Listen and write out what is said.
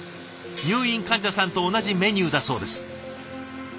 入院患者さんと同じメニューだそうです。